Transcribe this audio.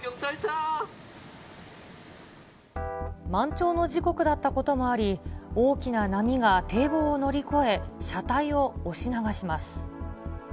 満潮の時刻だったこともあり、大きな波が堤防を乗り越え、車体を押し流します。